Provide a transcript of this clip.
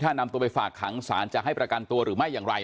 ถ้านำตัวไปฝากขังสารจะให้ประกันตัวหรือไม่อย่างไร